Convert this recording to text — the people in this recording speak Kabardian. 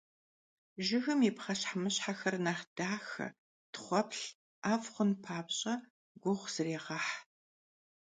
Jjıgım yi pxheşhemışher nexh daxe, txhueplh, 'ef' xhun papş'e guğu zrêğeh.